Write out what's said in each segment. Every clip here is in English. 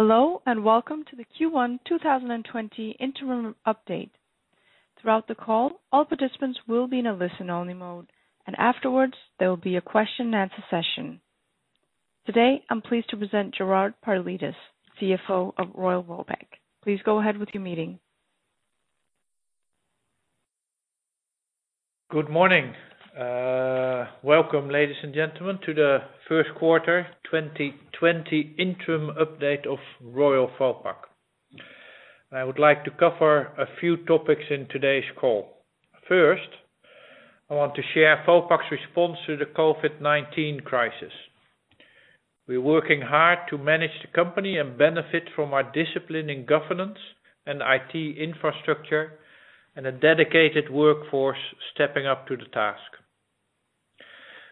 Hello and welcome to the Q1 2020 interim update. Throughout the call, all participants will be in a listen-only mode. Afterwards, there will be a question-and-answer session. Today, I'm pleased to present Gerard Paulides, CFO of Royal Vopak. Please go ahead with your meeting. Good morning. Welcome, ladies and gentlemen, to the first quarter 2020 interim update of Royal Vopak. I would like to cover a few topics in today's call. First, I want to share Vopak's response to the COVID-19 crisis. We're working hard to manage the company and benefit from our discipline in governance and IT infrastructure and a dedicated workforce stepping up to the task.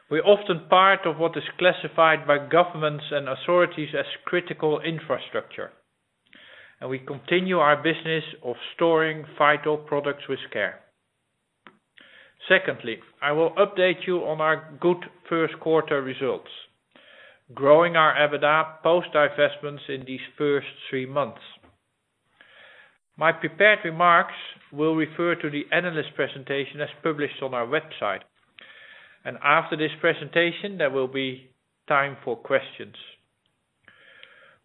We're often part of what is classified by governments and authorities as critical infrastructure, and we continue our business of storing vital products with care. Secondly, I will update you on our good first quarter results, growing our EBITDA post divestments in these first three months. My prepared remarks will refer to the analyst presentation as published on our website. After this presentation, there will be time for questions.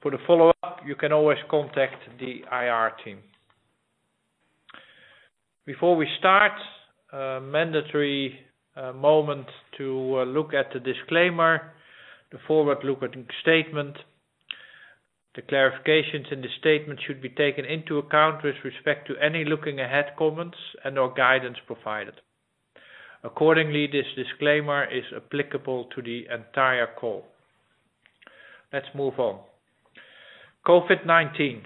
For the follow-up, you can always contact the IR team. Before we start, a mandatory moment to look at the disclaimer, the forward-looking statement. The clarifications in this statement should be taken into account with respect to any looking ahead comments and/or guidance provided. Accordingly, this disclaimer is applicable to the entire call. Let's move on. COVID-19.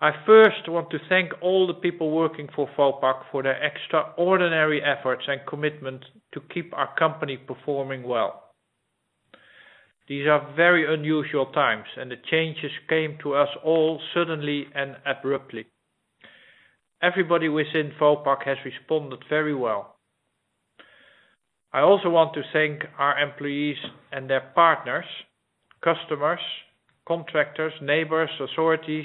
I first want to thank all the people working for Vopak for their extraordinary efforts and commitment to keep our company performing well. These are very unusual times and the changes came to us all suddenly and abruptly. Everybody within Vopak has responded very well. I also want to thank our employees and their partners, customers, contractors, neighbors, authorities,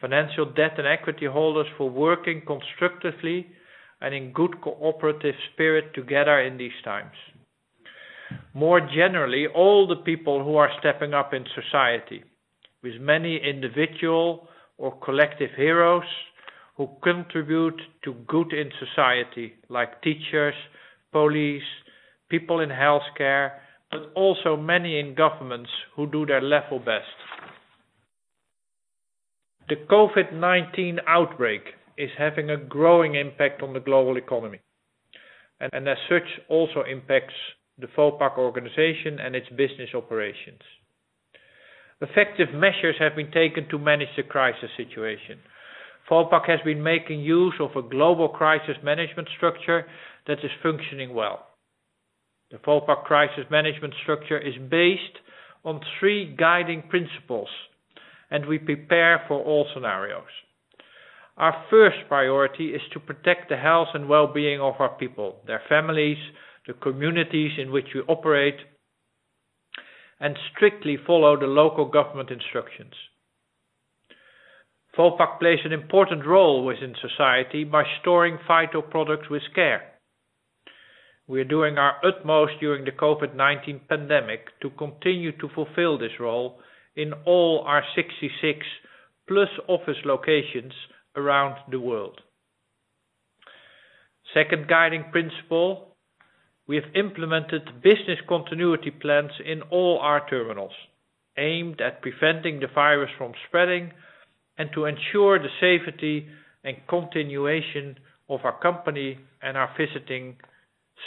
financial debt and equity holders for working constructively and in good cooperative spirit together in these times. More generally, all the people who are stepping up in society with many individual or collective heroes who contribute to good in society like teachers, police, people in healthcare, but also many in governments who do their level best. The COVID-19 outbreak is having a growing impact on the global economy and as such also impacts the Vopak organization and its business operations. Effective measures have been taken to manage the crisis situation. Vopak has been making use of a global crisis management structure that is functioning well. The Vopak crisis management structure is based on three guiding principles, and we prepare for all scenarios. Our first priority is to protect the health and wellbeing of our people, their families, the communities in which we operate, and strictly follow the local government instructions. Vopak plays an important role within society by storing vital products with care. We are doing our utmost during the COVID-19 pandemic to continue to fulfill this role in all our 66+ office locations around the world. Second guiding principle, we have implemented business continuity plans in all our terminals aimed at preventing the virus from spreading and to ensure the safety and continuation of our company and our visiting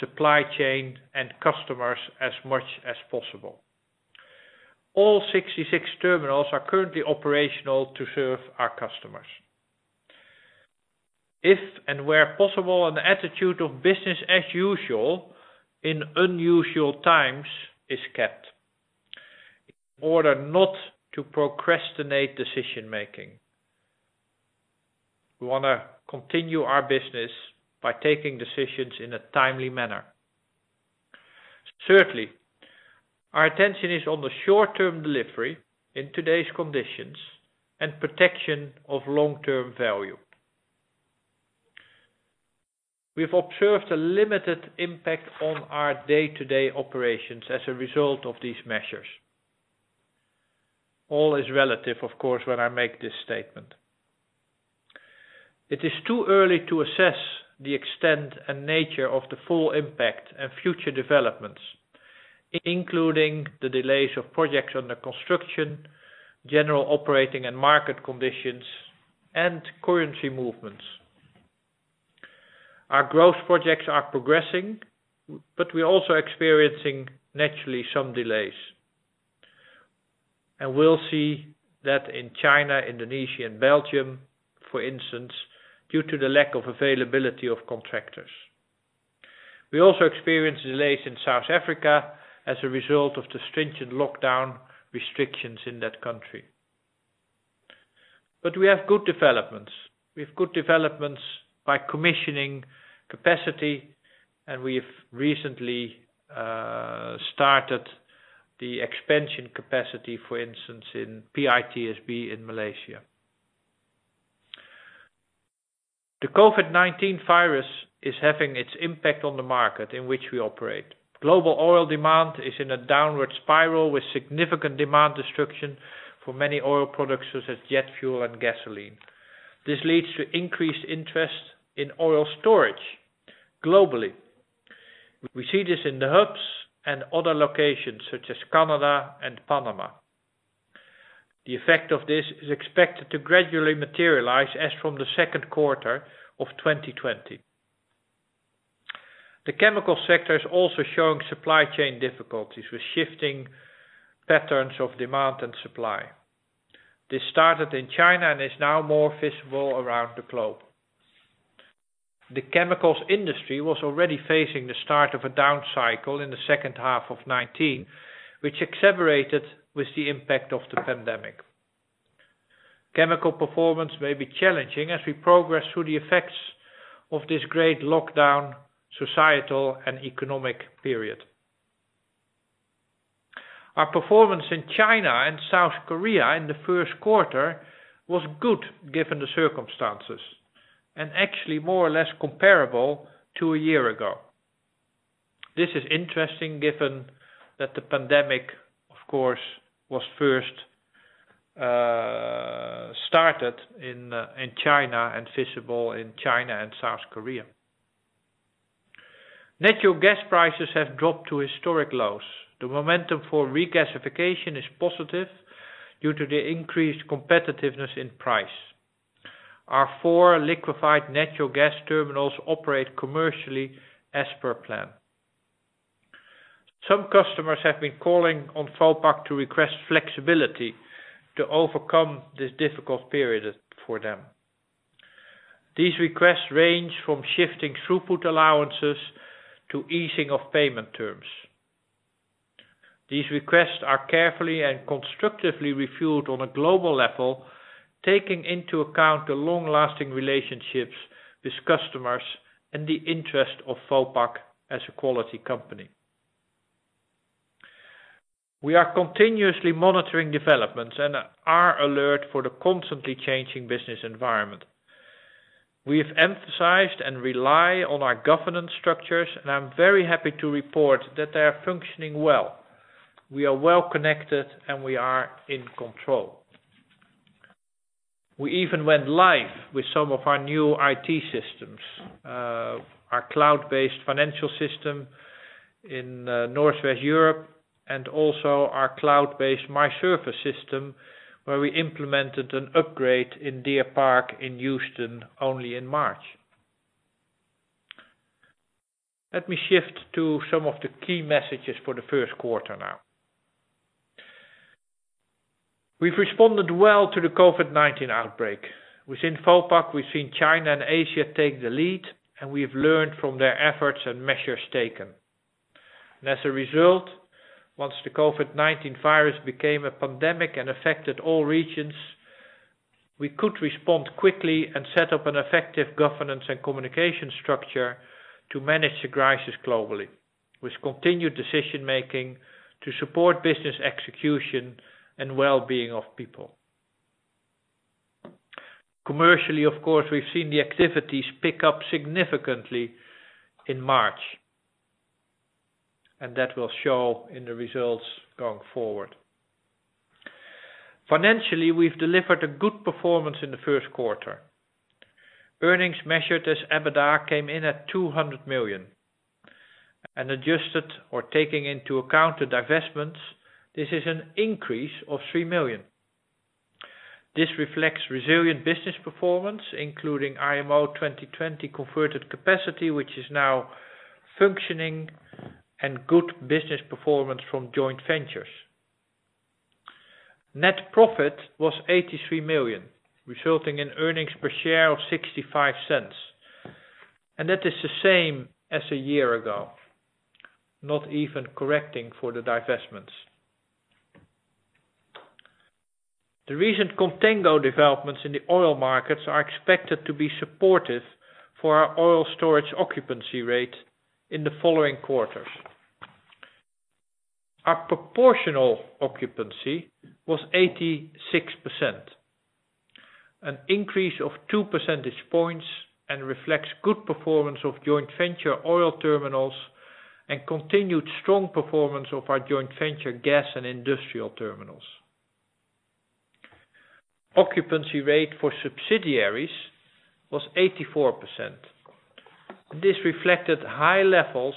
supply chain and customers as much as possible. All 66 terminals are currently operational to serve our customers. If and where possible, an attitude of business as usual in unusual times is kept in order not to procrastinate decision-making. We want to continue our business by taking decisions in a timely manner. Thirdly, our attention is on the short-term delivery in today's conditions and protection of long-term value. We've observed a limited impact on our day-to-day operations as a result of these measures. All is relative, of course, when I make this statement. It is too early to assess the extent and nature of the full impact and future developments, including the delays of projects under construction, general operating and market conditions, and currency movements. Our growth projects are progressing, but we're also experiencing naturally some delays. We'll see that in China, Indonesia, and Belgium, for instance, due to the lack of availability of contractors. We also experience delays in South Africa as a result of the stringent lockdown restrictions in that country but we have good developments. We have good developments by commissioning capacity, and we've recently started the expansion capacity, for instance, in PITSB in Malaysia. The COVID-19 virus is having its impact on the market in which we operate. Global oil demand is in a downward spiral with significant demand destruction for many oil products such as jet fuel and gasoline. This leads to increased interest in oil storage globally. We see this in the hubs and other locations such as Canada and Panama. The effect of this is expected to gradually materialize as from the second quarter of 2020. The chemical sector is also showing supply chain difficulties with shifting patterns of demand and supply. This started in China and is now more visible around the globe. The chemicals industry was already facing the start of a down cycle in the second half of 2019, which exacerbated with the impact of the pandemic. Chemical performance may be challenging as we progress through the effects of this great lockdown societal and economic period. Our performance in China and South Korea in the first quarter was good, given the circumstances, and actually more or less comparable to a year ago. This is interesting given that the pandemic, of course, was first started in China and visible in China and South Korea. Natural gas prices have dropped to historic lows. The momentum for regasification is positive due to the increased competitiveness in price. Our four liquefied natural gas terminals operate commercially as per plan. Some customers have been calling on Vopak to request flexibility to overcome this difficult period for them. These requests range from shifting throughput allowances to easing of payment terms. These requests are carefully and constructively reviewed on a global level, taking into account the long-lasting relationships with customers and the interest of Vopak as a quality company. We are continuously monitoring developments and are alert for the constantly changing business environment. We have emphasized and rely on our governance structures, and I'm very happy to report that they are functioning well. We are well-connected, and we are in control. We even went live with some of our new IT systems, our cloud-based financial system in Northwest Europe, and also our cloud-based MyVopak system, where we implemented an upgrade in Deer Park in Houston only in March. Let me shift to some of the key messages for the first quarter now. We've responded well to the COVID-19 outbreak. Within Vopak, we've seen China and Asia take the lead, and we have learned from their efforts and measures taken. As a result, once the COVID-19 virus became a pandemic and affected all regions, we could respond quickly and set up an effective governance and communication structure to manage the crisis globally, with continued decision-making to support business execution and wellbeing of people. Commercially, of course, we've seen the activities pick up significantly in March, and that will show in the results going forward. Financially, we've delivered a good performance in the first quarter. Earnings measured as EBITDA came in at 200 million. Adjusted for taking into account the divestments, this is an increase of 3 million. This reflects resilient business performance, including IMO 2020 converted capacity, which is now functioning, good business performance from joint ventures. Net profit was 83 million, resulting in earnings per share of 0.65 and that is the same as a year ago, not even correcting for the divestments. The recent contango developments in the oil markets are expected to be supportive for our oil storage occupancy rate in the following quarters. Our proportional occupancy was 86%, an increase of 2 percentage points and reflects good performance of joint venture oil terminals and continued strong performance of our joint venture gas and industrial terminals. Occupancy rate for subsidiaries was 84%. This reflected high levels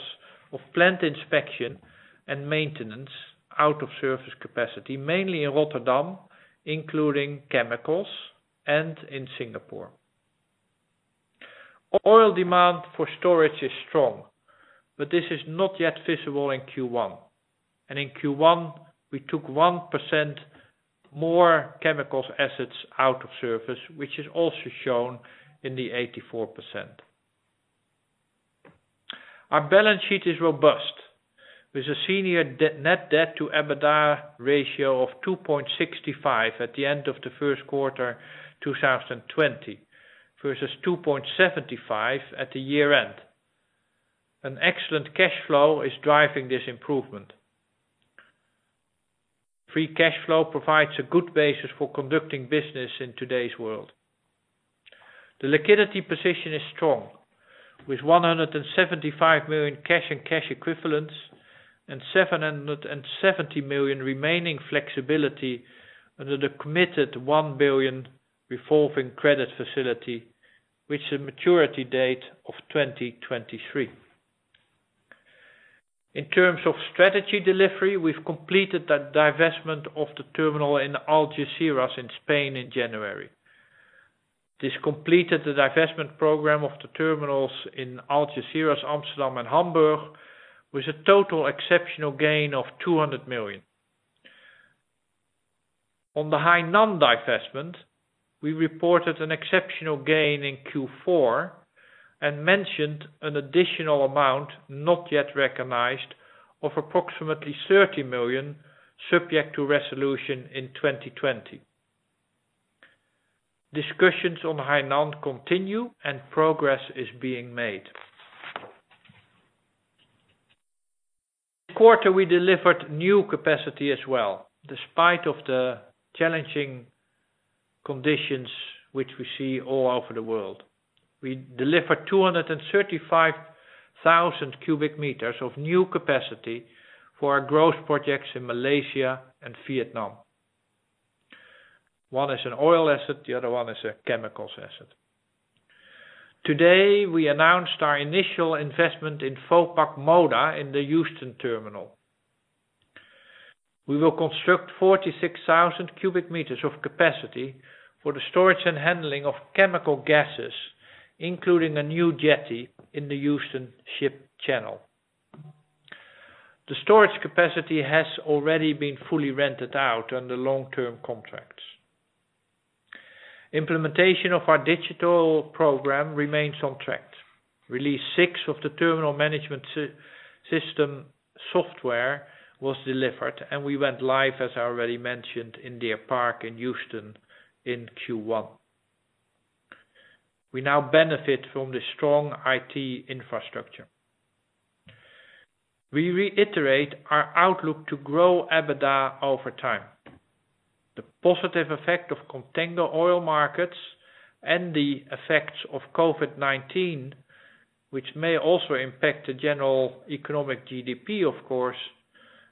of plant inspection and maintenance out of surface capacity, mainly in Rotterdam, including chemicals and in Singapore. Oil demand for storage is strong, but this is not yet visible in Q1. In Q1, we took 1% more chemicals assets out of surface, which is also shown in the 84%. Our balance sheet is robust, with a senior net debt to EBITDA ratio of 2.65 at the end of the first quarter 2020, versus 2.75 at the year-end. An excellent cash flow is driving this improvement. Free cash flow provides a good basis for conducting business in today's world. The liquidity position is strong, with 175 million cash and cash equivalents and 770 million remaining flexibility under the committed 1 billion revolving credit facility, with a maturity date of 2023. In terms of strategy delivery, we've completed the divestment of the terminal in Algeciras in Spain in January. This completed the divestment program of the terminals in Algeciras, Amsterdam, and Hamburg, with a total exceptional gain of 200 million. On the Hainan divestment, we reported an exceptional gain in Q4 and mentioned an additional amount not yet recognized of approximately 30 million, subject to resolution in 2020. Discussions on Hainan continue and progress is being made. This quarter, we delivered new capacity as well, despite of the challenging conditions which we see all over the world. We delivered 235,000 cu m of new capacity for our growth projects in Malaysia and Vietnam. One is an oil asset, the other one is a chemicals asset. Today, we announced our initial investment in Vopak Moda in the Houston terminal. We will construct 46,000 cu m of capacity for the storage and handling of chemical gases, including a new jetty in the Houston Ship Channel. The storage capacity has already been fully rented out under long-term contracts. Implementation of our digital program remains on track. Release 6 of the terminal management system software was delivered, and we went live, as I already mentioned, in Deer Park in Houston in Q1. We now benefit from the strong IT infrastructure. We reiterate our outlook to grow EBITDA over time. The positive effect of contango oil markets and the effects of COVID-19, which may also impact the general economic GDP, of course,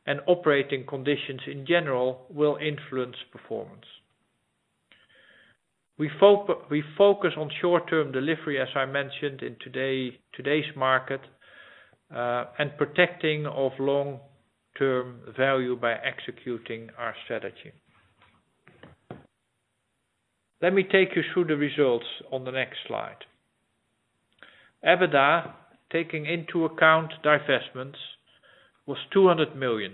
and operating conditions in general will influence performance. We focus on short-term delivery, as I mentioned, in today's market, and protecting of long-term value by executing our strategy. Let me take you through the results on the next slide. EBITDA, taking into account divestments, was 200 million,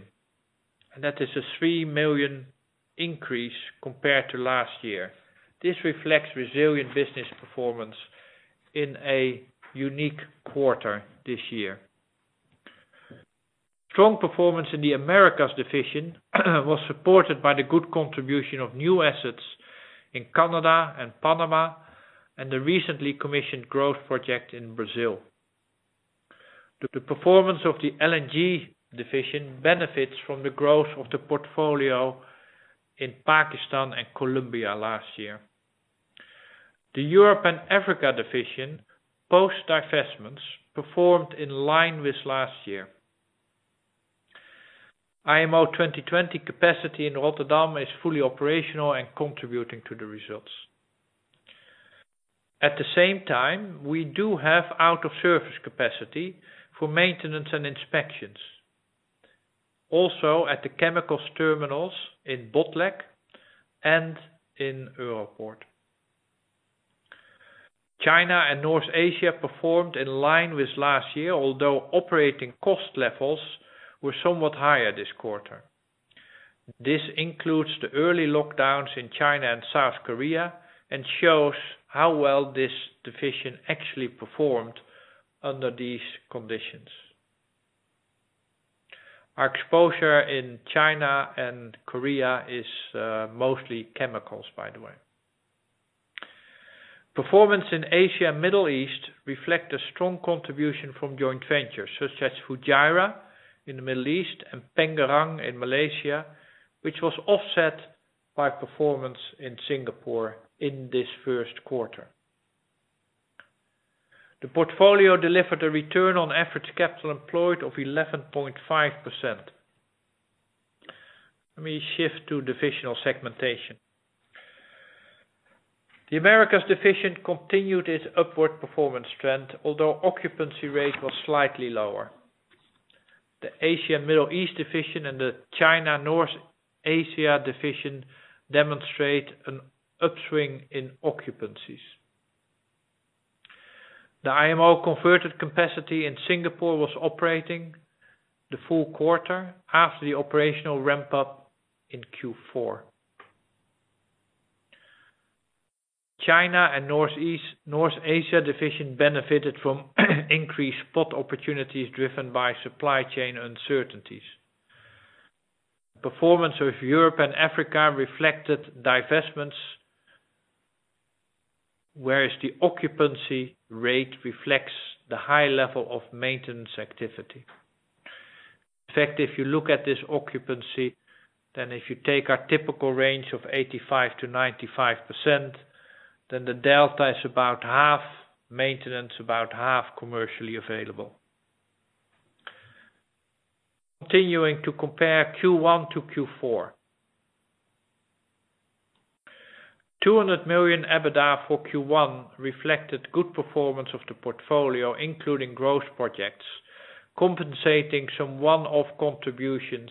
and that is a 3 million increase compared to last year. This reflects resilient business performance in a unique quarter this year. Strong performance in the Americas division was supported by the good contribution of new assets in Canada and Panama and the recently commissioned growth project in Brazil. The performance of the LNG division benefits from the growth of the portfolio in Pakistan and Colombia last year. The Europe and Africa division, post-divestments, performed in line with last year. IMO 2020 capacity in Rotterdam is fully operational and contributing to the results. At the same time, we do have out-of-service capacity for maintenance and inspections, also at the chemicals terminals in Botlek and in Europoort. China and North Asia performed in line with last year, although operating cost levels were somewhat higher this quarter. This includes the early lockdowns in China and South Korea and shows how well this division actually performed under these conditions. Our exposure in China and Korea is mostly chemicals, by the way. Performance in Asia and Middle East reflect a strong contribution from joint ventures, such as Fujairah in the Middle East and Pengerang in Malaysia, which was offset by performance in Singapore in this first quarter. The portfolio delivered a return on average capital employed of 11.5%. Let me shift to divisional segmentation. The Americas division continued its upward performance trend, although occupancy rate was slightly lower. The Asia and Middle East Division and the China North Asia division demonstrate an upswing in occupancies. The IMO converted capacity in Singapore was operating the full quarter after the operational ramp-up in Q4. The China and North Asia division benefited from increased spot opportunities driven by supply chain uncertainties. Performance of Europe and Africa reflected divestments, whereas the occupancy rate reflects the high level of maintenance activity. In fact, if you look at this occupancy, then if you take our typical range of 85%-95%, then the delta is about half maintenance, about half commercially available. Continuing to compare Q1 to Q4. 200 million EBITDA for Q1 reflected good performance of the portfolio, including growth projects, compensating some one-off contributions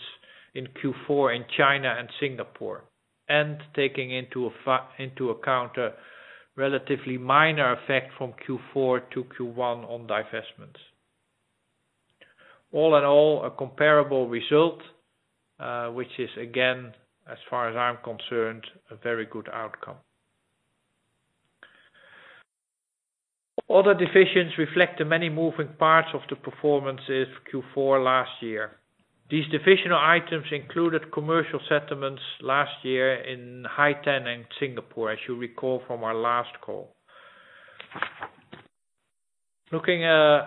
in Q4 in China and Singapore, and taking into account a relatively minor effect from Q4 to Q1 on divestments. All in all, a comparable result, which is again, as far as I'm concerned, a very good outcome. Other divisions reflect the many moving parts of the performance in Q4 last year. These divisional items included commercial settlements last year in Hainan and Singapore, as you recall from our last call. Looking a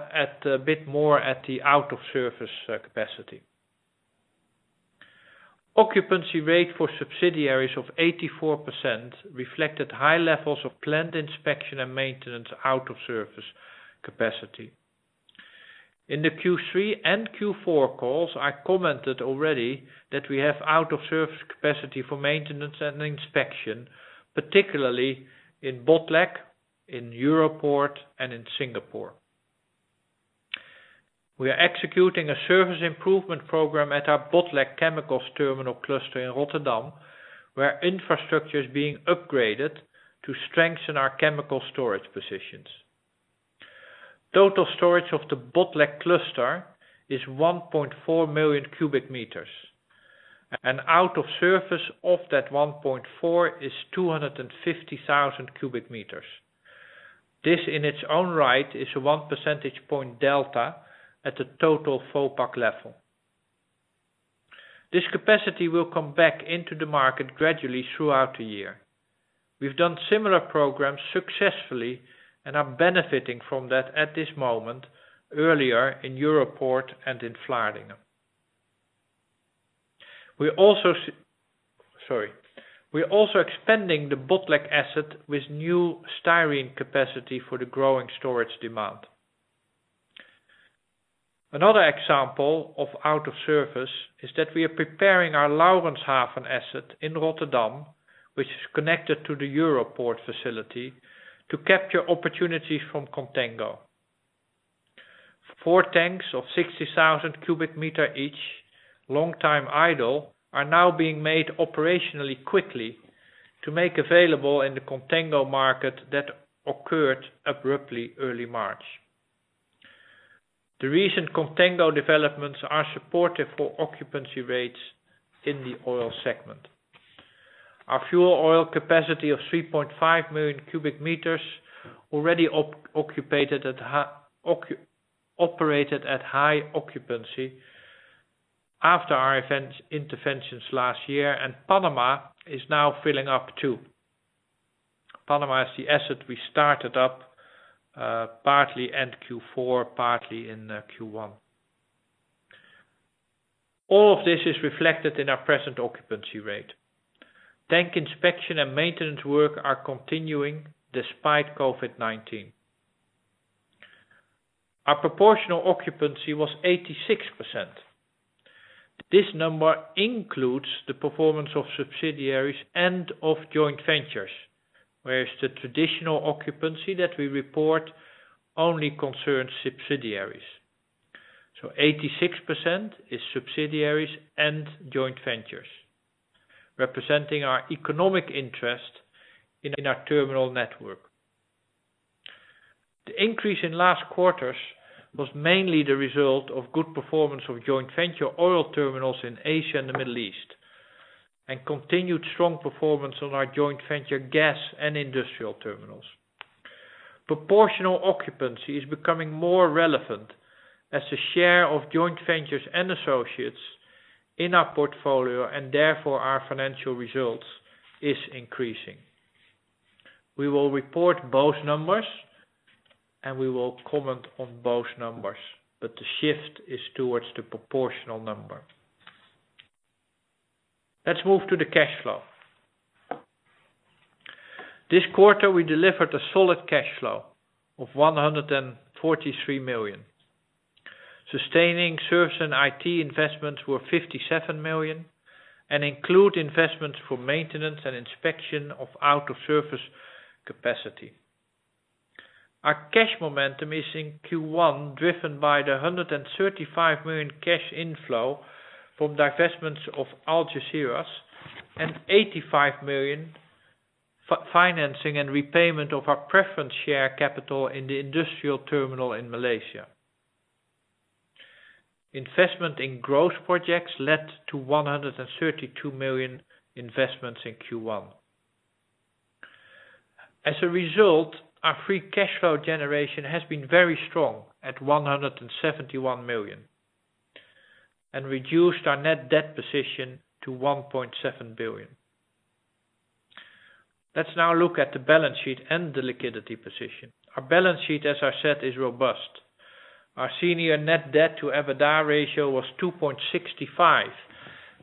bit more at the out-of-service capacity. Occupancy rate for subsidiaries of 84% reflected high levels of planned inspection and maintenance out-of-service capacity. In the Q3 and Q4 calls, I commented already that we have out-of-service capacity for maintenance and inspection, particularly in Botlek, in Europoort and in Singapore. We are executing a service improvement program at our Botlek chemicals terminal cluster in Rotterdam, where infrastructure is being upgraded to strengthen our chemical storage positions. Total storage of the Botlek cluster is 1.4 million cubic meters and out of service of that 1.4 is 250,000 cubic meters. This in its own right is a 1 percentage point delta at the total Vopak level. This capacity will come back into the market gradually throughout the year. We've done similar programs successfully and are benefiting from that at this moment, earlier in Europoort and in Vlaardingen. We're also expanding the Botlek asset with new styrene capacity for the growing storage demand. Another example of out of service is that we are preparing our Laurenshaven asset in Rotterdam, which is connected to the Europoort facility to capture opportunities from contango. Four tanks of 60,000 cu m each, long time idle, are now being made operationally quickly to make available in the contango market that occurred abruptly early March. The recent contango developments are supportive for occupancy rates in the oil segment. Our fuel oil capacity of 3.5 million cubic meters already operated at high occupancy after our interventions last year, and Panama is now filling up too. Panama is the asset we started up, partly in Q4, partly in Q1. All of this is reflected in our present occupancy rate. Tank inspection and maintenance work are continuing despite COVID-19. Our proportional occupancy was 86%. This number includes the performance of subsidiaries and of joint ventures, whereas the traditional occupancy that we report only concerns subsidiaries, so 86% is subsidiaries and joint ventures, representing our economic interest in our terminal network. The increase in last quarters was mainly the result of good performance of joint venture oil terminals in Asia and the Middle East, and continued strong performance on our joint venture gas and industrial terminals. Proportional occupancy is becoming more relevant as the share of joint ventures and associates in our portfolio and therefore our financial results is increasing. We will report both numbers, and we will comment on both numbers but the shift is towards the proportional number. Let's move to the cash flow. This quarter, we delivered a solid cash flow of 143 million. Sustaining service and IT investments were 57 million and include investments for maintenance and inspection of out-of-service capacity. Our cash momentum is in Q1 driven by the 135 million cash inflow from divestments of Algeciras and 85 million financing and repayment of our preference share capital in the industrial terminal in Malaysia. Investment in growth projects led to 132 million investments in Q1. As a result, our free cash flow generation has been very strong at 171 million and reduced our net debt position to 1.7 billion. Let's now look at the balance sheet and the liquidity position. Our balance sheet, as I said, is robust. Our senior net debt to EBITDA ratio was 2.65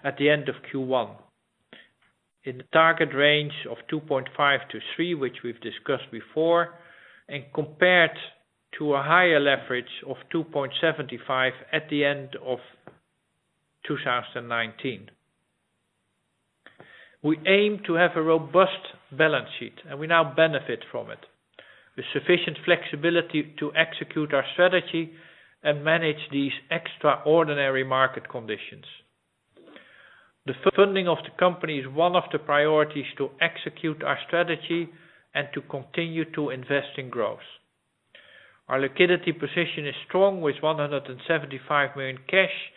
at the end of Q1. In the target range of 2.5-3, which we've discussed before, and compared to a higher leverage of 2.75 at the end of 2019. We aim to have a robust balance sheet, and we now benefit from it, with sufficient flexibility to execute our strategy and manage these extraordinary market conditions. The funding of the company is one of the priorities to execute our strategy and to continue to invest in growth. Our liquidity position is strong, with 175 million cash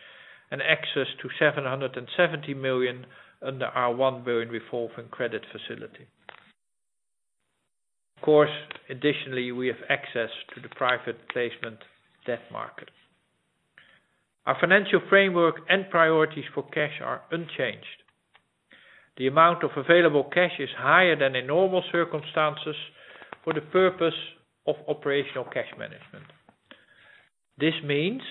and access to 770 million under our 1 billion revolving credit facility. Of course, additionally, we have access to the private placement debt market. Our financial framework and priorities for cash are unchanged. The amount of available cash is higher than in normal circumstances for the purpose of operational cash management. This means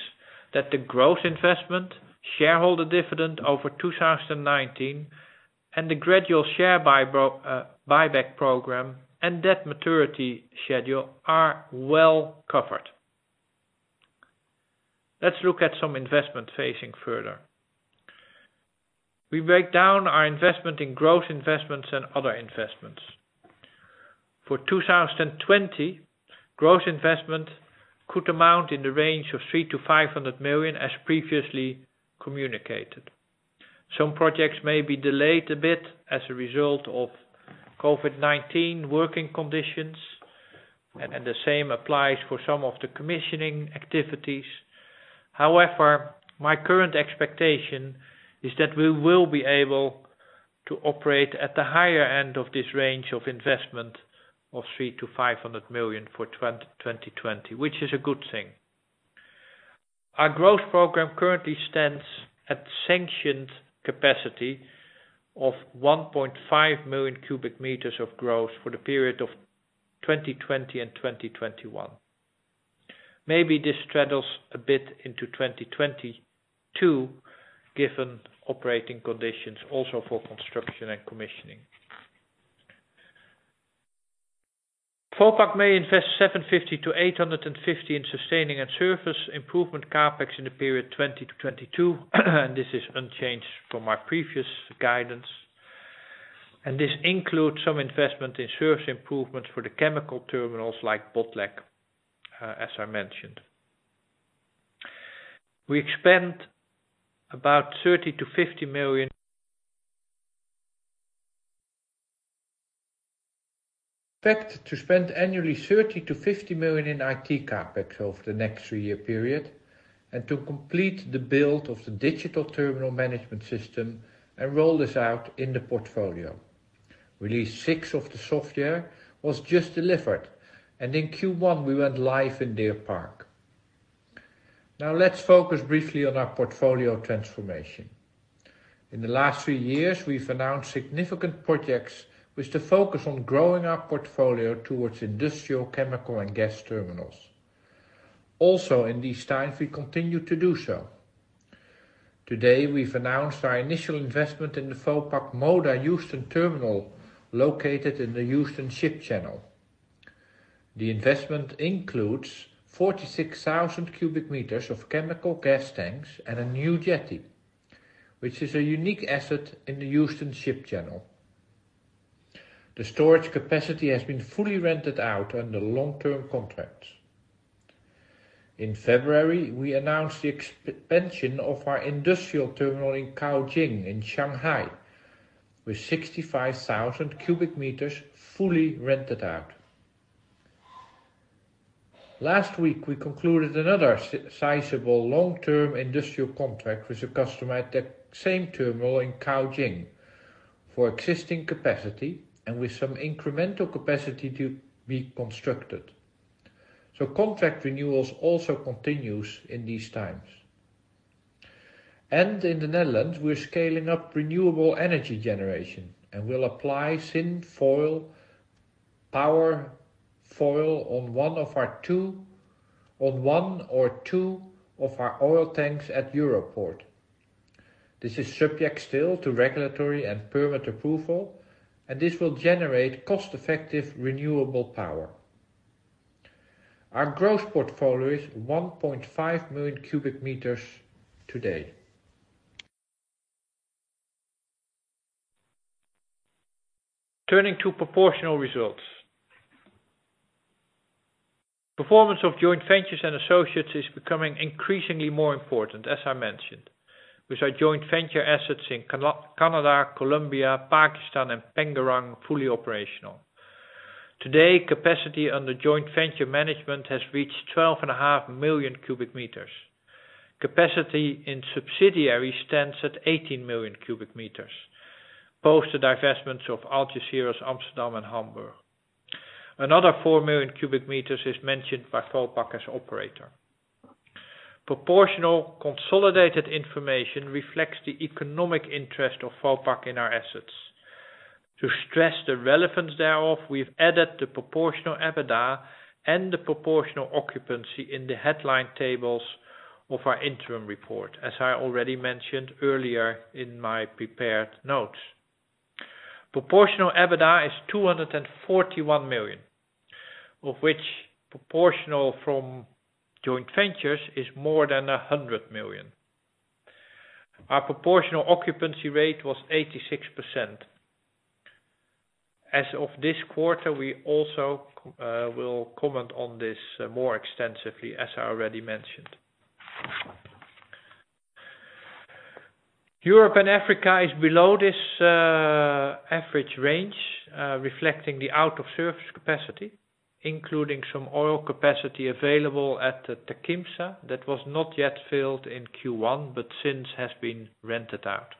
that the growth investment, shareholder dividend over 2019, and the gradual share buyback program and debt maturity schedule are well covered. Let's look at some investment facing further. We break down our investment in growth investments and other investments. For 2020, growth investment could amount in the range of 300 million-500 million, as previously communicated. Some projects may be delayed a bit as a result of COVID-19 working conditions and the same applies for some of the commissioning activities. However, my current expectation is that we will be able to operate at the higher end of this range of investment of 300 million-500 million for 2020, which is a good thing. Our growth program currently stands at sanctioned capacity of 1.5 million cubic meters of growth for the period of 2020 and 2021. Maybe this straddles a bit into 2022, given operating conditions also for construction and commissioning. Vopak may invest 750 million-850 million in sustaining and surface improvement CapEx in the period 2020-2022. This is unchanged from my previous guidance and this includes some investment in service improvements for the chemical terminals like Botlek, as I mentioned. We expect to spend annually 30 million-50 million in IT CapEx over the next three-year period and to complete the build of the digital terminal management system and roll this out in the portfolio. Release six of the software was just delivered, and in Q1, we went live in Deer Park. Now let's focus briefly on our portfolio transformation. In the last three years, we've announced significant projects with the focus on growing our portfolio towards industrial, chemical, and gas terminals. Also, in these times, we continue to do so. Today, we've announced our initial investment in the Vopak Moda Houston Terminal, located in the Houston Ship Channel. The investment includes 46,000 cubic meters of chemical gas tanks and a new jetty, which is a unique asset in the Houston Ship Channel. The storage capacity has been fully rented out under long-term contracts. In February, we announced the expansion of our industrial terminal in Caojing in Shanghai, with 65,000 cu m fully rented out. Last week, we concluded another sizable long-term industrial contract with a customer at the same terminal in Caojing for existing capacity and with some incremental capacity to be constructed. Contract renewals also continues in these times. In the Netherlands, we're scaling up renewable energy generation, and we'll apply SynFoil Powerfoil on one or two of our oil tanks at Europoort. This is subject still to regulatory and permit approval, and this will generate cost-effective, renewable power. Our growth portfolio is 1.5 million cubic meters today. Turning to proportional results. Performance of joint ventures and associates is becoming increasingly more important, as I mentioned, with our joint venture assets in Canada, Colombia, Pakistan, and Pengerang fully operational. Today, capacity on the joint venture management has reached 12.5 million cubic meters. Capacity in subsidiaries stands at 18 million cubic meters, post the divestments of Algeciras, Amsterdam, and Hamburg. Another 4 million cubic meters is mentioned by Vopak as operator. Proportional consolidated information reflects the economic interest of Vopak in our assets. To stress the relevance thereof, we've added the proportional EBITDA and the proportional occupancy in the headline tables of our interim report, as I already mentioned earlier in my prepared notes. Proportional EBITDA is 241 million, of which proportional from joint ventures is more than 100 million. Our proportional occupancy rate was 86%. As of this quarter, we also will comment on this more extensively, as I already mentioned. Europe and Africa is below this average range, reflecting the out-of-service capacity, including some oil capacity available at the Terquimsa that was not yet filled in Q1, but since has been rented out.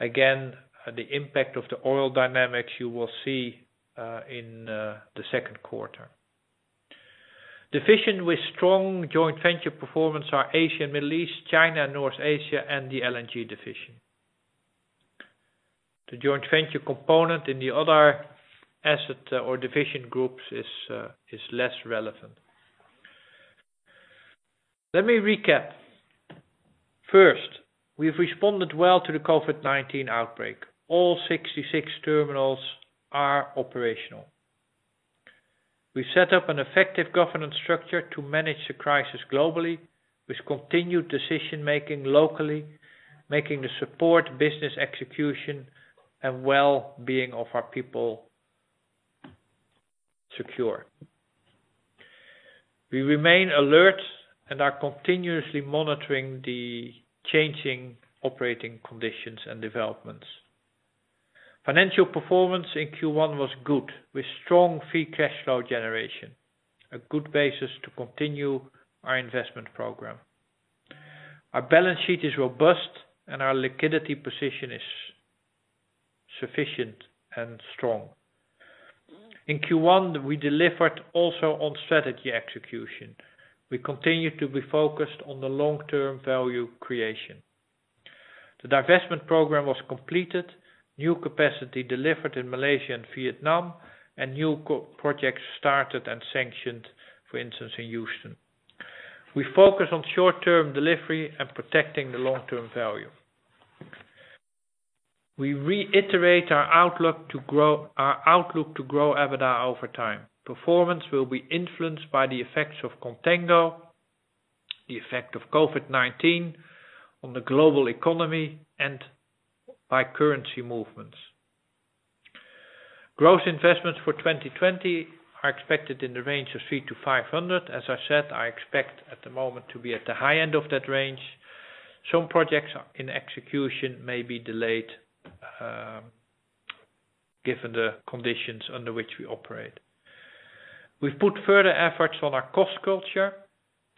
Again, the impact of the oil dynamics you will see in the second quarter. Division with strong joint venture performance are Asia and Middle East, China, North Asia, and the LNG division. The joint venture component in the other asset or division groups is less relevant. Let me recap. First, we've responded well to the COVID-19 outbreak. All 66 terminals are operational. We set up an effective governance structure to manage the crisis globally with continued decision-making locally, making the support business execution and well-being of our people secure. We remain alert and are continuously monitoring the changing operating conditions and developments. Financial performance in Q1 was good, with strong free cash flow generation, a good basis to continue our investment program. Our balance sheet is robust, our liquidity position is sufficient and strong. In Q1, we delivered also on strategy execution. We continue to be focused on the long-term value creation. The divestment program was completed, new capacity delivered in Malaysia and Vietnam, and new projects started and sanctioned, for instance, in Houston. We focus on short-term delivery and protecting the long-term value. We reiterate our outlook to grow EBITDA over time. Performance will be influenced by the effects of contango, the effect of COVID-19 on the global economy, and by currency movements. Gross investments for 2020 are expected in the range of 300-500. As I said, I expect at the moment to be at the high end of that range. Some projects in execution may be delayed, given the conditions under which we operate. We've put further efforts on our cost culture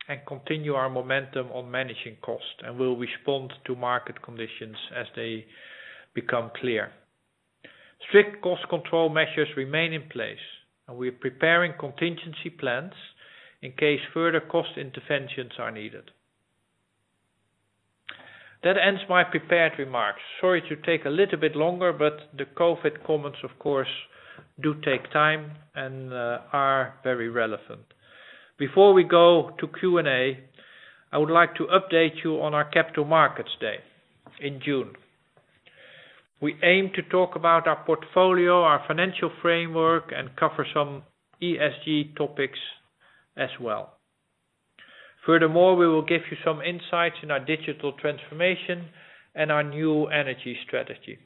and continue our momentum on managing cost, and we'll respond to market conditions as they become clear. Strict cost control measures remain in place, and we're preparing contingency plans in case further cost interventions are needed. That ends my prepared remarks. Sorry to take a little bit longer, but the COVID comments, of course, do take time and are very relevant. Before we go to Q&A, I would like to update you on our Capital Markets Day in June. We aim to talk about our portfolio, our financial framework, and cover some ESG topics as well. Furthermore, we will give you some insights in our digital transformation and our new energy strategy.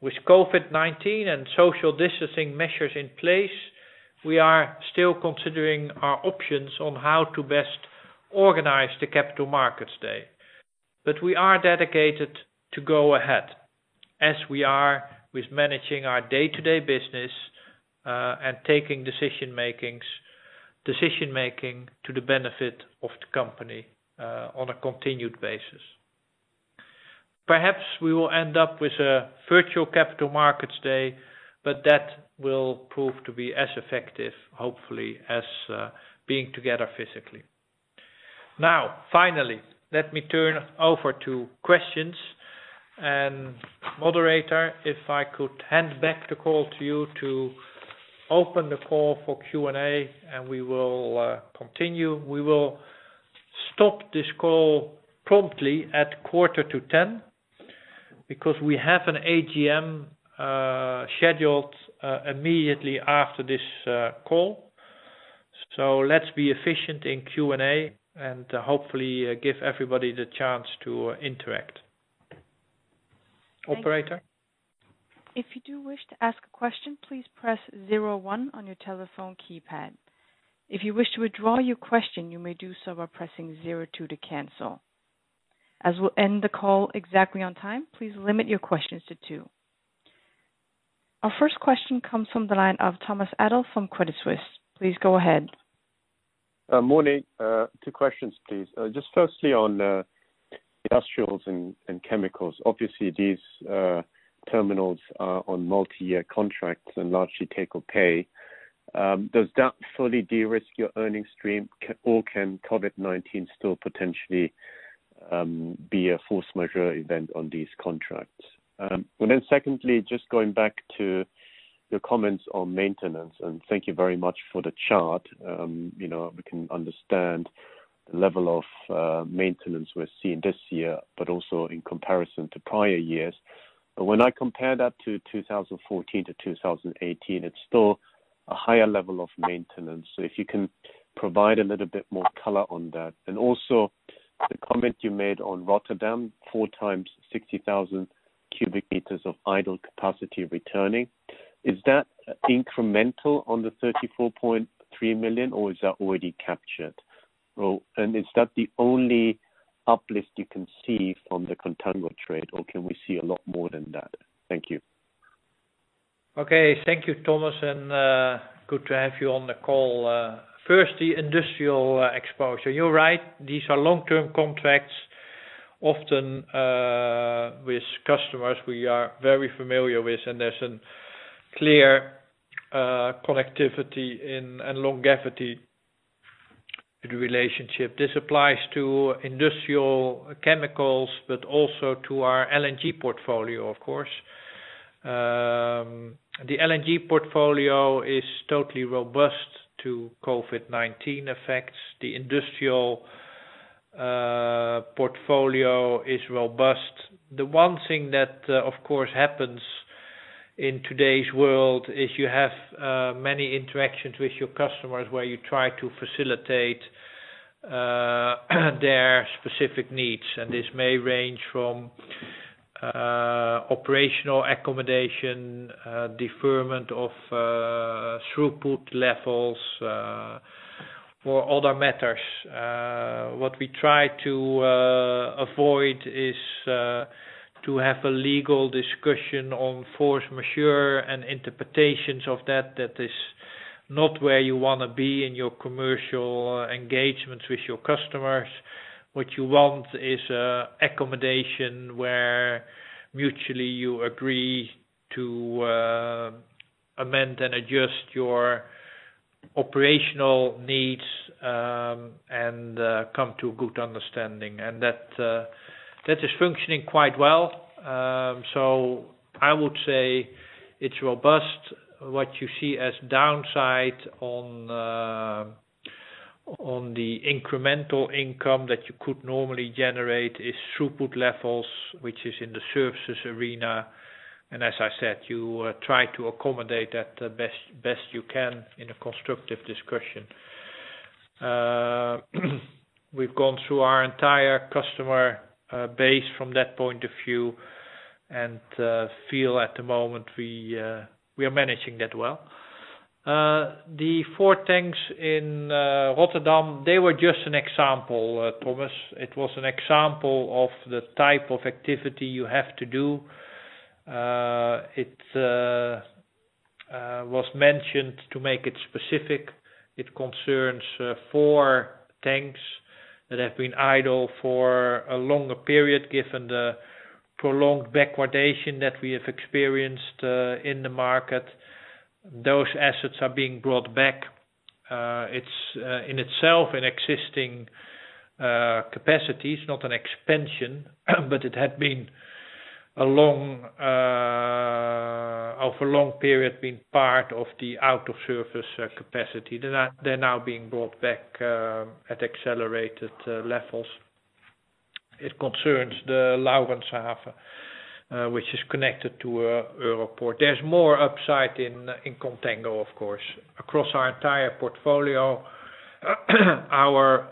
With COVID-19 and social distancing measures in place, we are still considering our options on how to best organize the Capital Markets Day but we are dedicated to go ahead as we are with managing our day-to-day business, and taking decision-making to the benefit of the company on a continued basis. Perhaps we will end up with a virtual Capital Markets Day, but that will prove to be as effective, hopefully, as being together physically. Now finally, let me turn over to questions. Moderator, if I could hand back the call to you to open the call for Q&A, and we will continue. We will stop this call promptly at quarter to 10:00 A.M. because we have an AGM scheduled immediately after this call. Let's be efficient in Q&A and hopefully give everybody the chance to interact. Operator? If you do wish to ask a question, please press star zero one on your telephone keypad. If you wish to withdraw your question, you may do so by pressing zero two to cancel. As we'll end the call exactly on time, please limit your questions to two. Our first question comes from the line of Thomas Adolff from Credit Suisse. Please go ahead. Morning. Two questions, please. Just firstly on industrials and chemicals. Obviously, these terminals are on multi-year contracts and largely take-or-pay. Does that fully de-risk your earnings stream or can COVID-19 still potentially be a force majeure event on these contracts? And then secondly, just going back to your comments on maintenance, and thank you very much for the chart. We can understand the level of maintenance we're seeing this year, but also in comparison to prior years. When I compare that to 2014-2018, it's still a higher level of maintenance if you can provide a little bit more color on that. Also, the comment you made on Rotterdam, four times 60,000 cu m of idle capacity returning. Is that incremental on the 34.3 million or is that already captured? Is that the only uplift you can see from the contango trade or can we see a lot more than that? Thank you. Okay. Thank you, Thomas, and good to have you on the call. Firstly, industrial exposure. You're right, these are long-term contracts, often, with customers we are very familiar with, and there's a clear connectivity and longevity relationship. This applies to industrial chemicals, but also to our LNG portfolio, of course. The LNG portfolio is totally robust to COVID-19 effects but the industrial portfolio is robust. The one thing that, of course, happens in today's world is you have many interactions with your customers where you try to facilitate their specific needs, and this may range from operational accommodation, deferment of throughput levels, or other matters. What we try to avoid is to have a legal discussion on force majeure and interpretations of that. That is not where you want to be in your commercial engagements with your customers. What you want is accommodation where mutually you agree to amend and adjust your operational needs, and come to a good understanding and that is functioning quite well. I would say it's robust. What you see as downside on the incremental income that you could normally generate is throughput levels, which is in the services arena. As I said, you try to accommodate that the best you can in a constructive discussion. We've gone through our entire customer base from that point of view and feel at the moment we are managing that well. The four tanks in Rotterdam, they were just an example, Thomas. It was an example of the type of activity you have to do. It was mentioned to make it specific. It concerns four tanks that have been idle for a longer period, given the prolonged backwardation that we have experienced in the market. Those assets are being brought back. It's in itself an existing capacity. It's not an expansion, but it had, over a long period, been part of the out-of-service capacity. They're now being brought back at accelerated levels. It concerns the Laurenshaven, which is connected to Europoort. There's more upside in contango, of course. Across our entire portfolio, our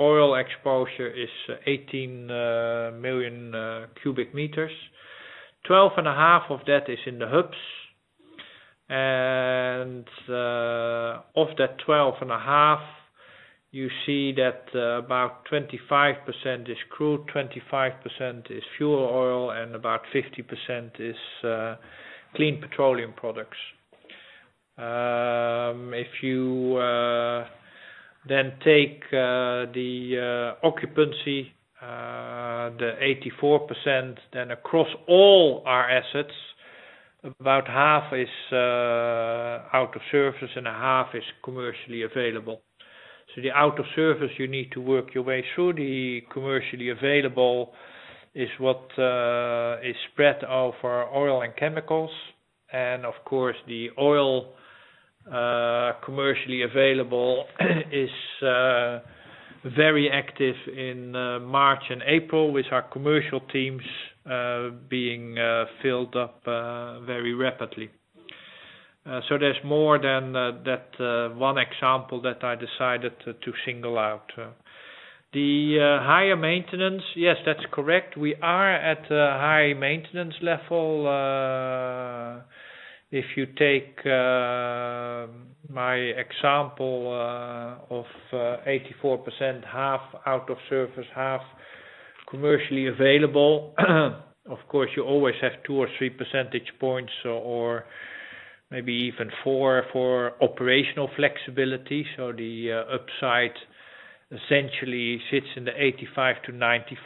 oil exposure is 18 million cu m. 12,500,000 cu m of that is in the hubs. Of that 12,500,000 cu m you see that about 25% is crude, 25% is fuel oil, and about 50% is clean petroleum products. If you take the occupancy, the 84%, across all our assets, about half is out of service and a half is commercially available. The out of service, you need to work your way through. The commercially available is what is spread over oil and chemicals. Of course, the oil commercially available is very active in March and April, with our commercial teams being filled up very rapidly. There's more than that one example that I decided to single out. The higher maintenance, yes, that's correct. We are at a high maintenance level. If you take my example of 84% half out of service, half commercially available, of course, you always have two or three percentage points or maybe even four for operational flexibility. The upside essentially sits in the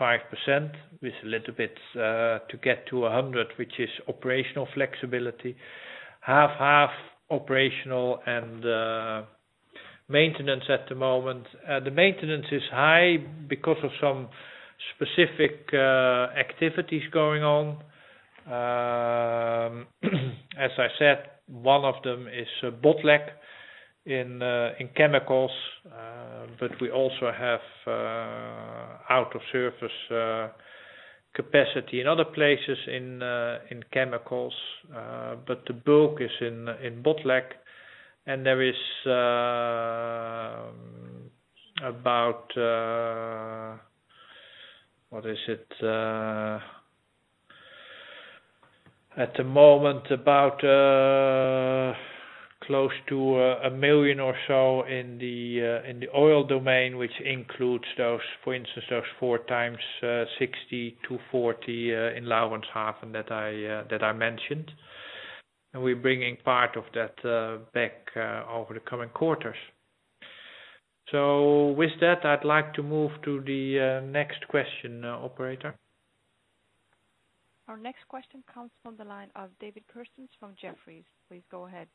85%-95% with a little bit to get to 100%, which is operational flexibility, half-half operational and maintenance at the moment. The maintenance is high because of some specific activities going on. As I said, one of them is Botlek in chemicals, but we also have out of service capacity in other places in chemicals. The bulk is in Botlek, and there is at the moment, about close to 1 million cubic meters or so in the oil domain, which includes, for instance, those four times 60-40 in Laurenshaven that I mentioned and we're bringing part of that back over the coming quarters. With that, I'd like to move to the next question, operator. Our next question comes from the line of David Kerstens from Jefferies. Please go ahead.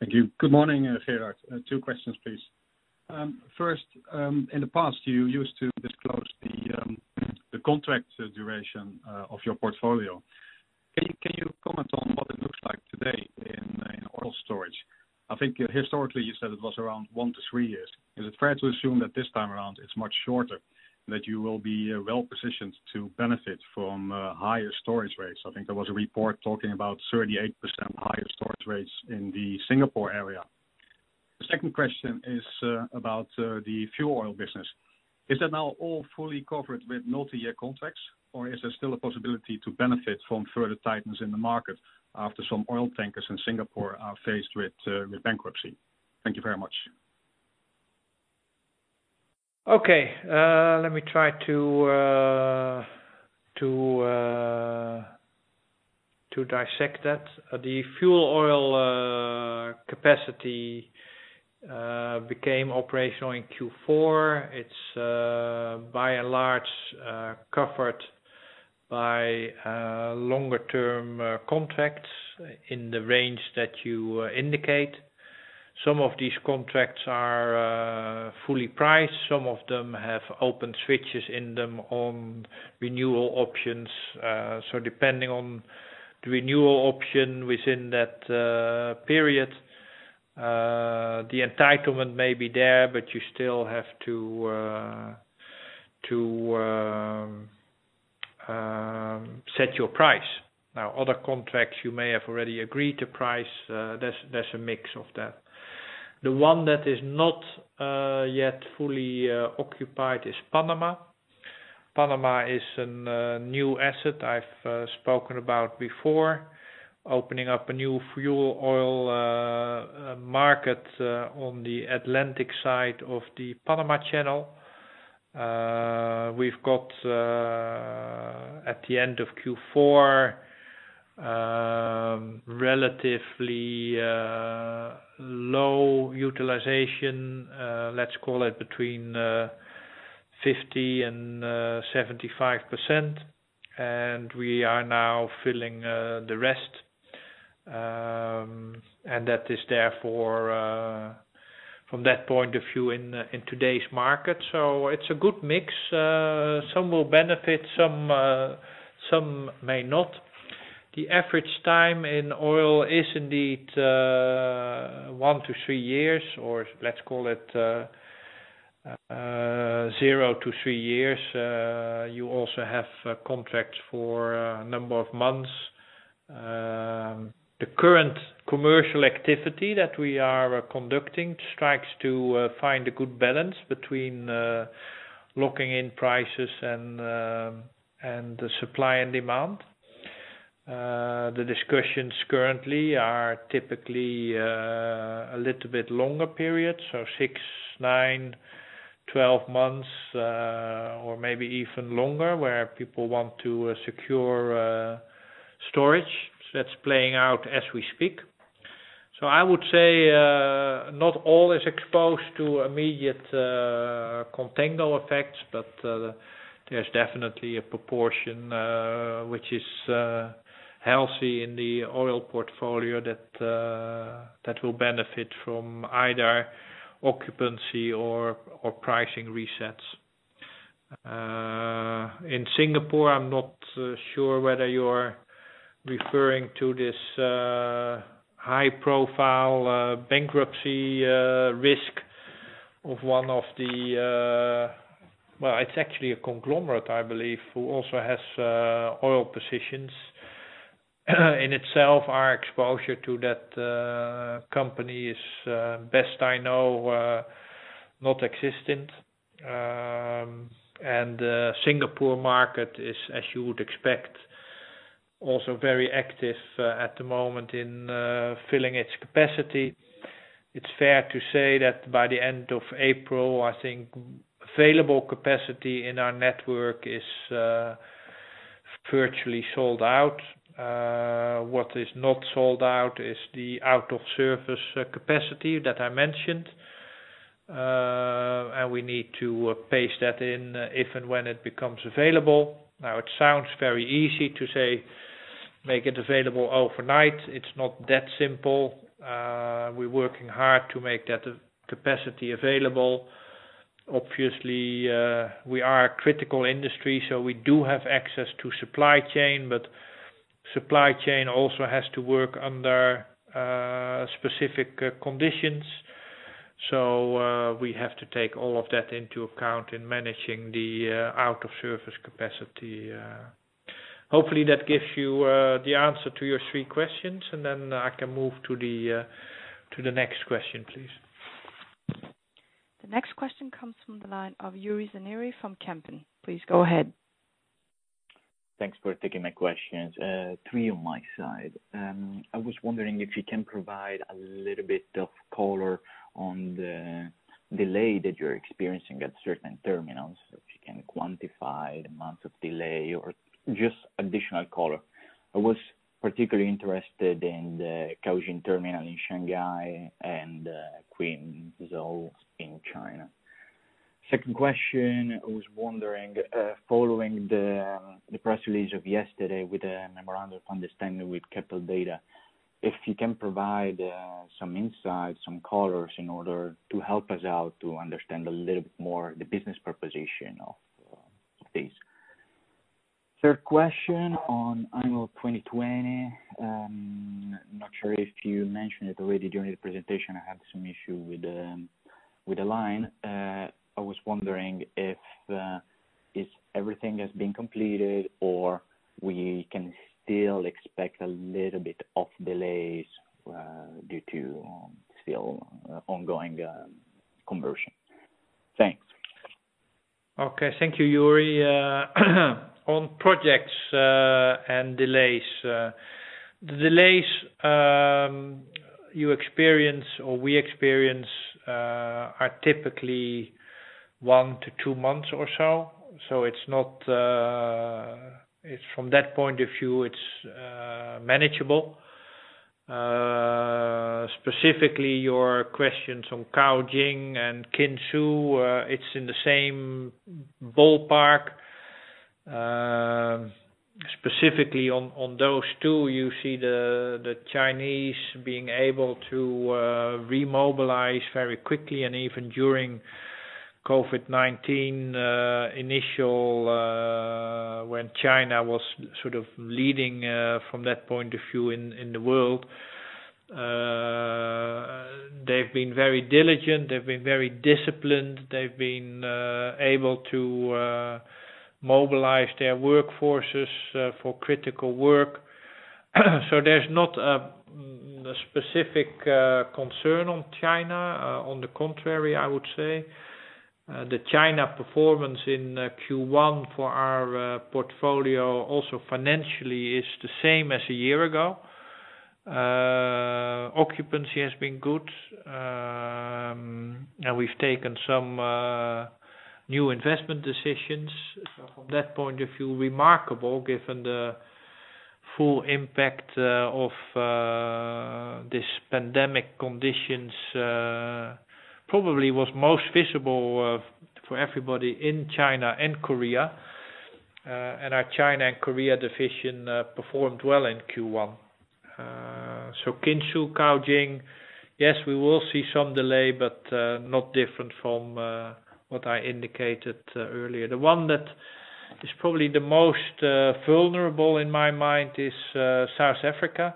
Thank you. Good morning, Gerard. Two questions, please. First, in the past, you used to disclose the contract duration of your portfolio. Can you comment on what it looks like today in oil storage? I think historically you said it was around one to three years. Is it fair to assume that this time around it's much shorter and that you will be well-positioned to benefit from higher storage rates? I think there was a report talking about 38% higher storage rates in the Singapore area. The second question is about the fuel oil business. Is that now all fully covered with multi-year contracts, or is there still a possibility to benefit from further tightness in the market after some oil tankers in Singapore are faced with bankruptcy? Thank you very much. Okay. Let me try to dissect that. The fuel oil capacity became operational in Q4. It is by and large covered by longer term contracts in the range that you indicate. Some of these contracts are fully priced. Some of them have open switches in them on renewal options. Depending on the renewal option within that period, the entitlement may be there, but you still have to set your price. Now, other contracts you may have already agreed to price, there is a mix of that. The one that is not yet fully occupied is Panama. Panama is a new asset I have spoken about before. Opening up a new fuel oil market on the Atlantic side of the Panama Canal. We have got, at the end of Q4, relatively low utilization. Let us call it between 50%-75%, and we are now filling the rest. That is therefore from that point of view, in today's market. It's a good mix. Some will benefit, some may not. The average time in oil is indeed one to three years, or let's call it zero to three years. You also have contracts for a number of months. The current commercial activity that we are conducting strives to find a good balance between locking in prices and the supply and demand. The discussions currently are typically a little bit longer period, so six, nine, 12 months or maybe even longer, where people want to secure storage. That's playing out as we speak. I would say, not all is exposed to immediate contango effects, but there's definitely a proportion which is healthy in the oil portfolio that will benefit from either occupancy or pricing resets. In Singapore, I'm not sure whether you're referring to this high profile bankruptcy risk of one of the. Well, it's actually a conglomerate, I believe, who also has oil positions. In itself, our exposure to that company is, best I know, non-existent. Singapore market is, as you would expect, also very active at the moment in filling its capacity. It's fair to say that by the end of April, I think available capacity in our network is virtually sold out. What is not sold out is the out of service capacity that I mentioned. We need to phase that in, if and when it becomes available. Now, it sounds very easy to say, make it available overnight. It's not that simple. We're working hard to make that capacity available. We are a critical industry, so we do have access to supply chain, but supply chain also has to work under specific conditions. We have to take all of that into account in managing the out of service capacity. Hopefully, that gives you the answer to your three questions so then I can move to the next question, please. The next question comes from the line of Uri Zeniri from Kempen. Please go ahead. Thanks for taking my questions, three on my side. I was wondering if you can provide a little bit of color on the delay that you're experiencing at certain terminals. If you can quantify the amount of delay or just additional color. I was particularly interested in the Caojing Terminal in Shanghai and Qinzhou in China. Second question, I was wondering, following the press release of yesterday with a memorandum of understanding with Keppel Data, if you can provide some insights, some colors in order to help us out to understand a little bit more the business proposition of this. Third question on annual 2020. I'm not sure if you mentioned it already during the presentation. I had some issue with the line. I was wondering if everything has been completed or we can still expect a little bit of delays due to still ongoing conversion. Thanks. Okay. Thank you, Uri. On projects and delays. The delays you experience or we experience are typically one to two months or so. From that point of view, it's manageable. Specifically, your questions on Caojing and Qinzhou, it's in the same ballpark. Specifically on those two, you see the Chinese being able to remobilize very quickly and even during COVID-19, initial when China was sort of leading from that point of view in the world. They've been very diligent, they've been very disciplined. They've been able to mobilize their workforces for critical work but there's not a specific concern on China. On the contrary, I would say. The China performance in Q1 for our portfolio also financially is the same as a year ago. Occupancy has been good. We've taken some new investment decisions. From that point of view, remarkable given the full impact of this pandemic conditions, probably was most visible for everybody in China and Korea. Our China and Korea division performed well in Q1. Qinzhou, Caojing, yes, we will see some delay, but not different from what I indicated earlier. The one that is probably the most vulnerable in my mind is South Africa.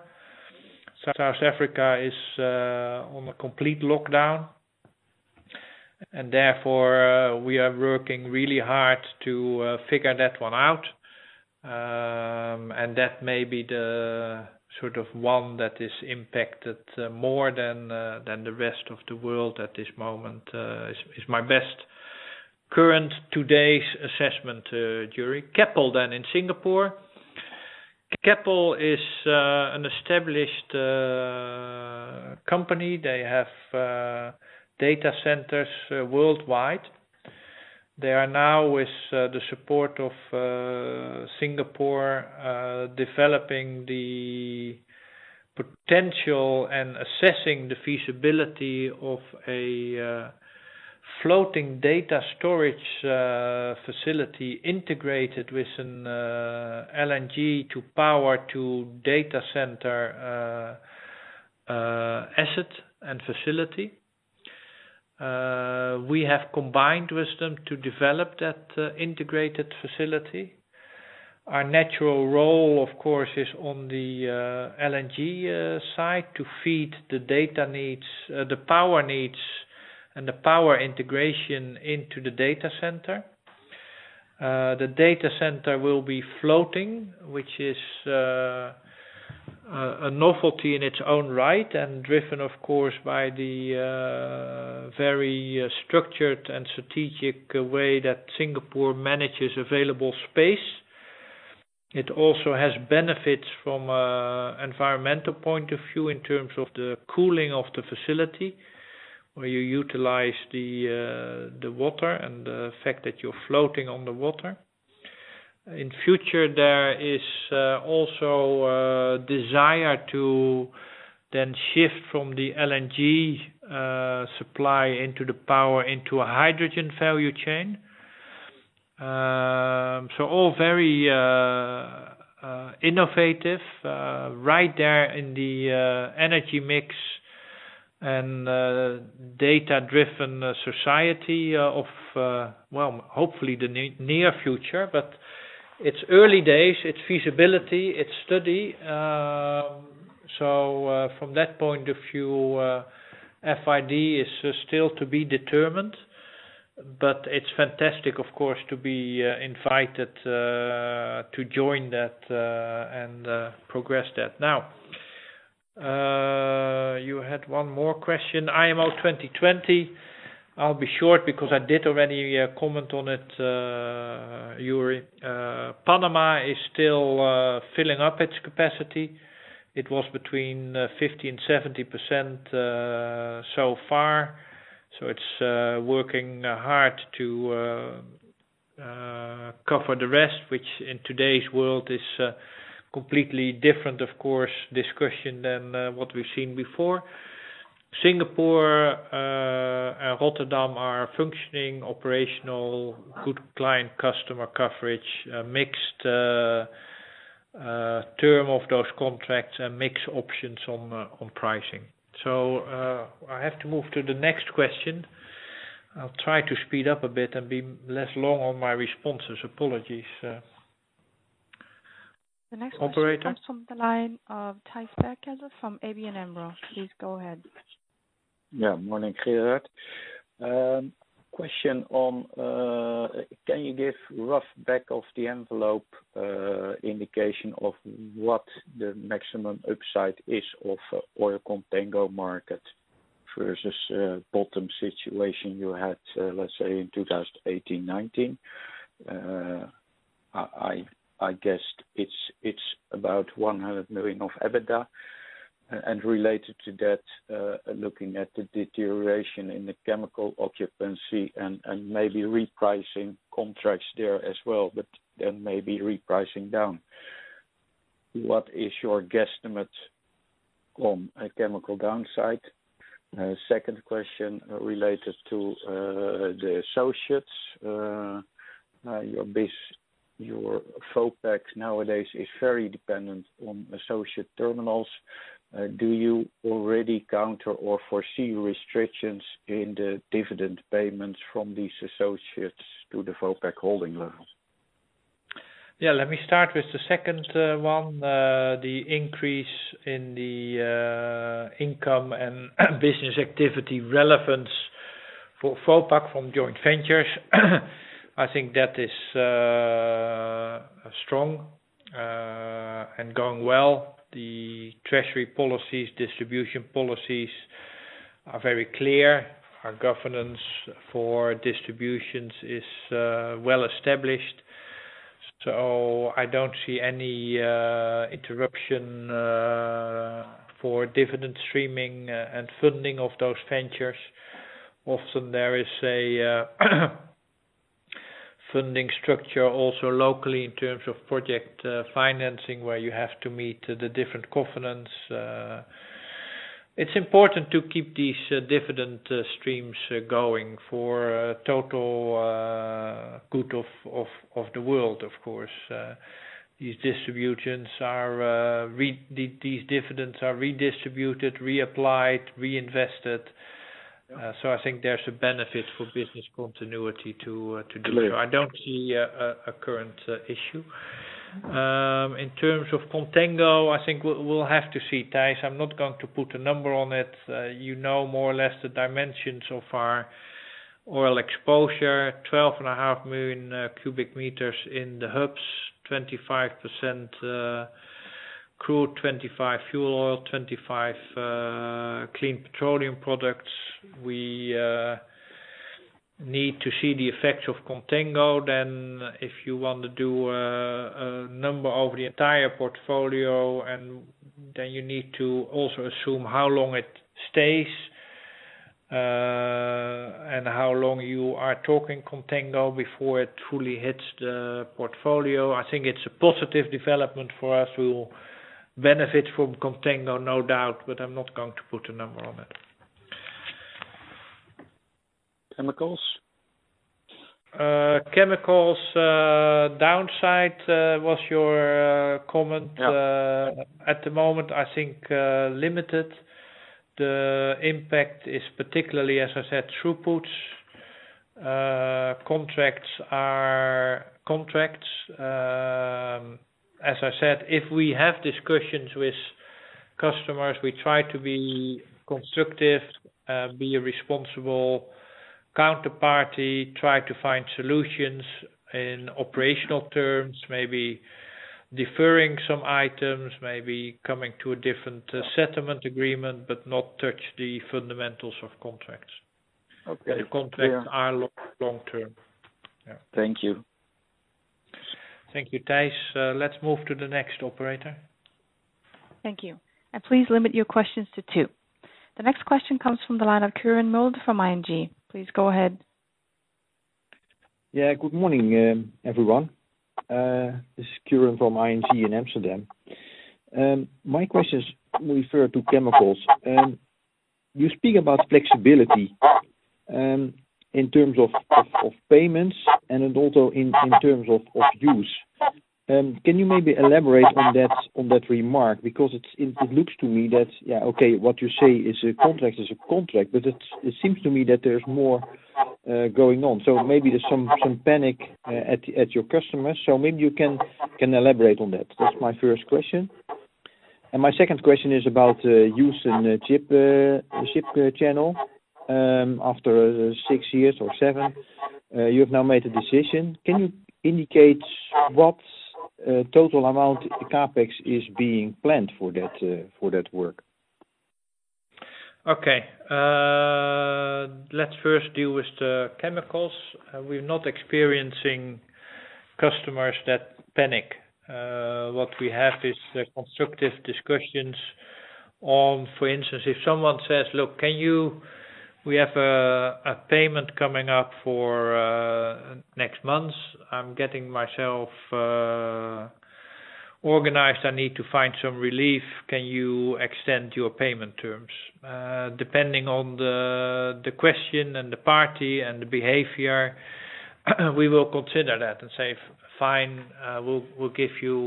South Africa is on a complete lockdown, and therefore, we are working really hard to figure that one out. That may be the sort of one that is impacted more than the rest of the world at this moment is my best current today's assessment, Uri. Keppel in Singapore. Keppel is an established company. They have data centers worldwide. They are now with the support of Singapore, developing the potential and assessing the feasibility of a floating data storage facility integrated with an LNG to power to data center asset and facility. We have combined with them to develop that integrated facility. Our natural role, of course, is on the LNG side to feed the power needs and the power integration into the data center. The data center will be floating, which is a novelty in its own right, and driven, of course, by the very structured and strategic way that Singapore manages available space. It also has benefits from an environmental point of view in terms of the cooling of the facility, where you utilize the water and the fact that you're floating on the water. In future, there is also a desire to then shift from the LNG supply into the power into a hydrogen value chain, so all very innovative right there in the energy mix and data-driven society of, well, hopefully the near future. It's early days, it's feasibility, it's study. From that point of view, FID is still to be determined but it's fantastic, of course, to be invited to join that and progress that. Now you had one more question. IMO 2020. I'll be short because I did already comment on it. Panama is still filling up its capacity. It was between 50%-70% so far so it's working hard to cover the rest, which in today's world is completely different, of course, discussion than what we've seen before. Singapore and Rotterdam are functioning, operational, good client customer coverage, mixed term of those contracts, and mixed options on pricing. I have to move to the next question. I'll try to speed up a bit and be less long on my responses. Apologies. The next question- Operator. ...comes from the line of Thijs Berkelder from ABN AMRO. Please go ahead. Yeah. Morning, Gerard. Question on, can you give rough back of the envelope indication of what the maximum upside is of oil contango market versus bottom situation you had, let's say, in 2018, 2019? I guessed it's about 100 million of EBITDA. Related to that, looking at the deterioration in the chemical occupancy and maybe repricing contracts there as well, but then maybe repricing down. What is your guesstimate on a chemical downside? Second question related to the associates. Your Vopak nowadays is very dependent on associate terminals. Do you already counter or foresee restrictions in the dividend payments from these associates to the Vopak holding level? Yeah, let me start with the second one. The increase in the income and business activity relevance for Vopak from joint ventures. I think that is strong and going well. The treasury policies, distribution policies are very clear. Our governance for distributions is well-established, I don't see any interruption for dividend streaming and funding of those ventures. Often there is a funding structure also locally in terms of project financing, where you have to meet the different governance. It's important to keep these dividend streams going for total good of the world, of course. These dividends are redistributed, reapplied, reinvested. I think there's a benefit for business continuity to do so. I don't see a current issue. In terms of contango, I think we'll have to see, Thijs. I'm not going to put a number on it. You know more or less the dimensions of our oil exposure, 12,500,000 cu m in the hubs, 25% crude, 255 fuel oil, 25% clean petroleum products. If you want to do a number over the entire portfolio, and then you need to also assume how long it stays, and how long you are talking contango before it fully hits the portfolio. I think it's a positive development for us. We will benefit from contango, no doubt, but I'm not going to put a number on it. Chemicals? Chemicals downside was your comment. Yeah. At the moment, I think limited. The impact is particularly, as I said, throughputs. Contracts are contracts. As I said, if we have discussions with customers, we try to be constructive, be a responsible counterparty, try to find solutions in operational terms, maybe deferring some items, maybe coming to a different settlement agreement, but not touch the fundamentals of contracts. Okay. The contracts are long-term. Thank you. Thank you, Thijs. Let's move to the next, operator. Thank you. Please limit your questions to two. The next question comes from the line of Quirijn Mulder from ING. Please go ahead. Good morning, everyone. This is Quirijn from ING in Amsterdam. My questions refer to chemicals. You speak about flexibility in terms of payments and also in terms of use. Can you maybe elaborate on that remark? It looks to me that, okay, what you say is a contract is a contract, but it seems to me that there's more going on. Maybe there's some panic at your customers. Maybe you can elaborate on that. That's my first question. My second question is about use in the ship channel. After six years or seven, you have now made a decision. Can you indicate what total amount CapEx is being planned for that work? Okay. Let's first deal with the chemicals. We're not experiencing customers that panic. What we have is constructive discussions on, for instance, if someone says, "Look, we have a payment coming up for next month. I'm getting myself organized. I need to find some relief. Can you extend your payment terms?" Depending on the question and the party and the behavior, we will consider that and say, "Fine, we'll give you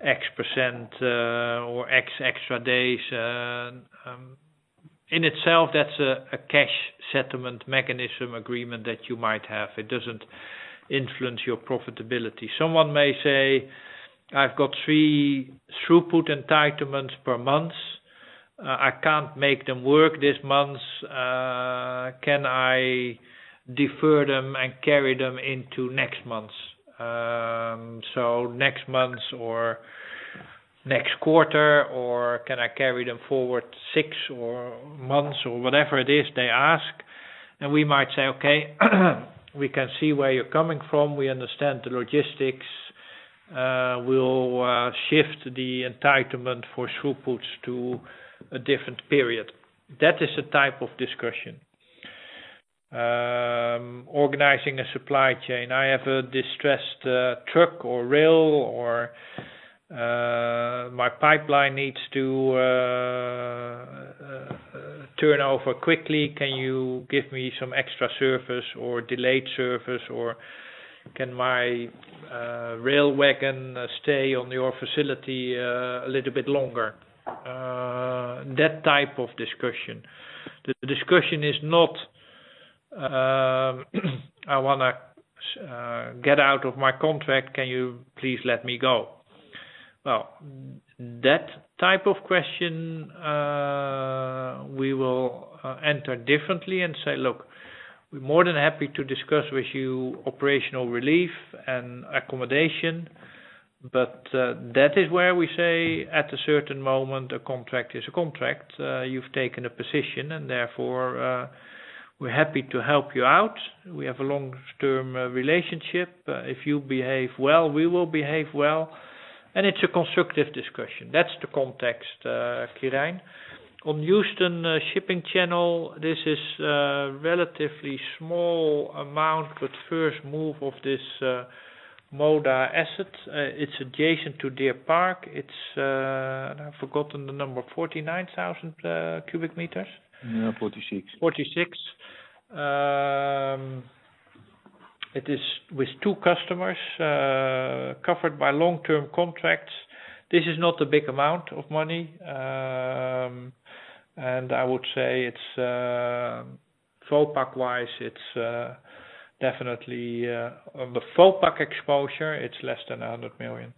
X% or X extra days." In itself, that's a cash settlement mechanism agreement that you might have. It doesn't influence your profitability. Someone may say, "I've got three throughput entitlements per month. I can't make them work this month. Can I defer them and carry them into next month? Next month or next quarter, or can I carry them forward six months?" Whatever it is they ask, and we might say, "Okay, we can see where you're coming from. We understand the logistics. We'll shift the entitlement for throughputs to a different period." That is the type of discussion. Organizing a supply chain. "I have a distressed truck or rail, or my pipeline needs to turn over quickly. Can you give me some extra service or delayed service, or can my rail wagon stay on your facility a little bit longer?" That type of discussion. The discussion is not, "I want to get out of my contract. Can you please let me go?" Well, that type of question, we will enter differently and say, "Look, we're more than happy to discuss with you operational relief and accommodation." That is where we say, at a certain moment, a contract is a contract. You've taken a position, and therefore, we're happy to help you out. We have a long-term relationship. If you behave well, we will behave well. It's a constructive discussion. That's the context, Quirijn. On Houston Shipping Channel, this is a relatively small amount, but first move of this Moda asset. It's adjacent to Deer Park. I've forgotten the number, 49,000 cu m. No, 46,000 cu m. 46,000 cu m. It is with two customers, covered by long-term contracts. This is not a big amount of money. I would say Vopak-wise, it's definitely, on the Vopak exposure, it's less than 100 million.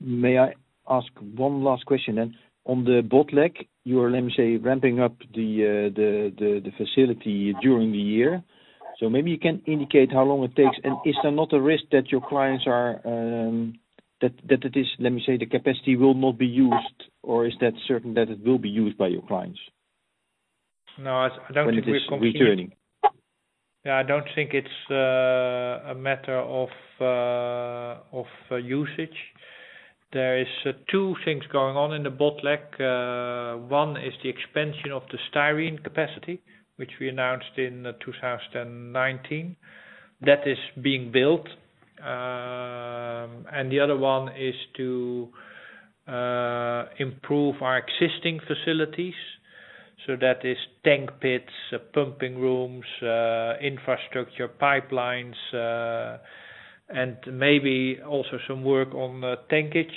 May I ask one last question? On the Botlek, you are, let me say, ramping up the facility during the year. Maybe you can indicate how long it takes. Is there not a risk that it is, let me say, the capacity will not be used? Is that certain that it will be used by your clients? No, I don't think. When it is returning. Yeah, I don't think it's a matter of usage. There is two things going on in the Botlek. One is the expansion of the styrene capacity, which we announced in 2019. That is being built. The other one is to improve our existing facilities so that is tank pits, pumping rooms, infrastructure, pipelines, and maybe also some work on tankage.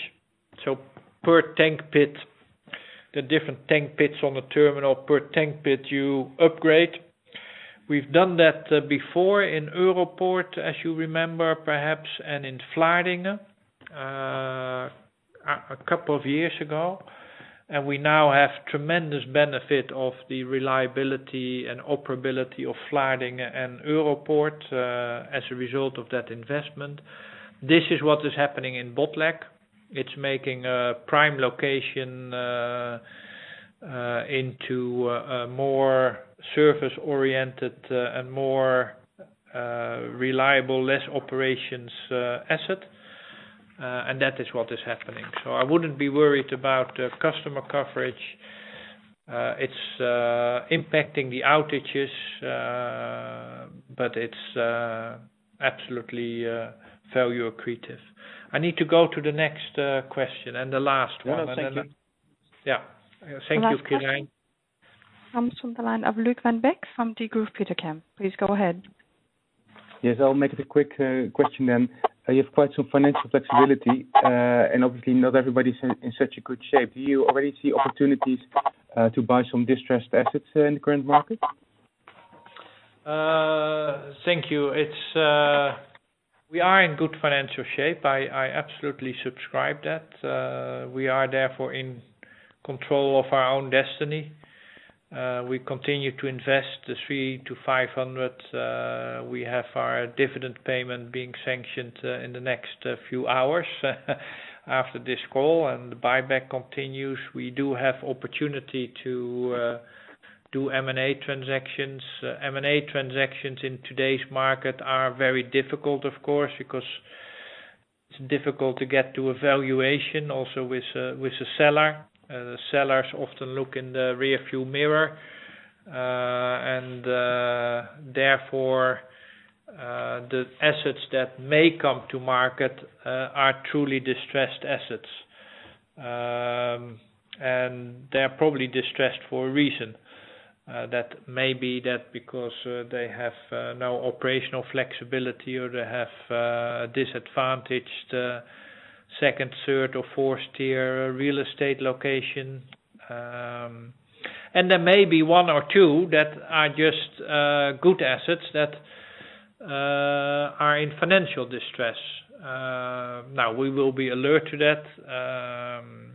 Per tank pit, the different tank pits on the terminal, per tank pit you upgrade. We've done that before in Europoort, as you remember, perhaps, and in Vlaardingen a couple of years ago. We now have tremendous benefit of the reliability and operability of Vlaardingen and Europoort, as a result of that investment. This is what is happening in Botlek. It's making a prime location into a more surface-oriented and more reliable, less operations asset. That is what is happening. I wouldn't be worried about customer coverage. It's impacting the outages, but it's absolutely value accretive. I need to go to the next question and the last one. No, thank you. Yeah. Thank you, Quirijn. The last question comes from the line of Luuk van Beek from Degroof Petercam. Please go ahead. Yes, I'll make it a quick question then. You have quite some financial flexibility, and obviously not everybody's in such a good shape. Do you already see opportunities to buy some distressed assets in the current market? Thank you. We are in good financial shape. I absolutely subscribe that. We are therefore in control of our own destiny. We continue to invest the 300 million-500 million. We have our dividend payment being sanctioned in the next few hours after this call. The buyback continues. We do have opportunity to do M&A transactions. M&A transactions in today's market are very difficult, of course, because it's difficult to get to a valuation also with the seller. The sellers often look in the rearview mirror. Therefore, the assets that may come to market are truly distressed assets. They're probably distressed for a reason. That may be that because they have no operational flexibility or they have a disadvantaged second, third, or fourth tier real estate location. There may be one or two that are just good assets that are in financial distress. Now, we will be alert to that.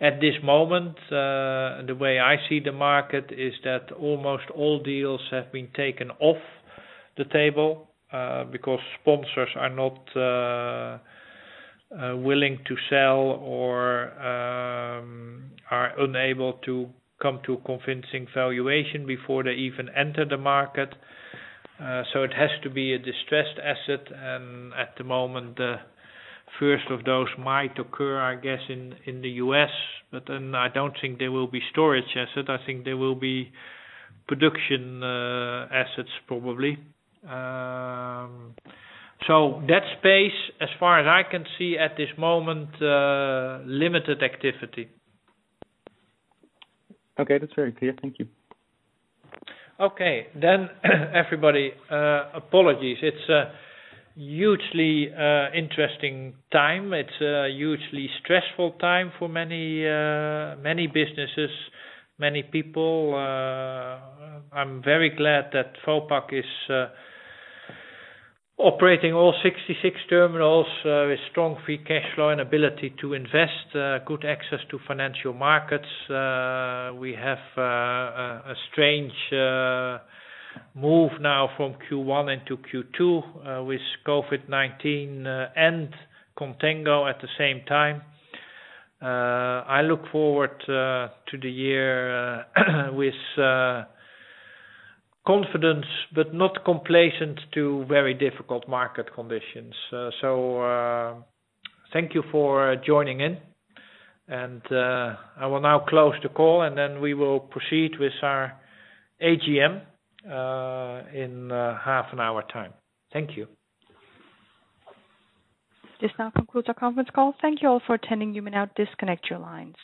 At this moment, the way I see the market is that almost all deals have been taken off the table, because sponsors are not willing to sell or are unable to come to a convincing valuation before they even enter the market. It has to be a distressed asset, and at the moment, the first of those might occur, I guess, in the U.S. Then I don't think there will be storage assets. I think there will be production assets probably. That space, as far as I can see at this moment, limited activity. Okay. That's very clear. Thank you. Okay. Everybody, apologies. It's a hugely interesting time. It's a hugely stressful time for many businesses, many people. I'm very glad that Vopak is operating all 66 terminals with strong free cash flow and ability to invest, good access to financial markets. We have a strange move now from Q1 into Q2 with COVID-19 and contango at the same time. I look forward to the year with confidence, not complacent to very difficult market conditions. Thank you for joining in. I will now close the call, we will proceed with our AGM in half an hour time. Thank you. This now concludes our conference call. Thank you all for attending. You may now disconnect your lines.